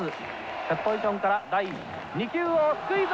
セットポジションから第２球をスクイズ！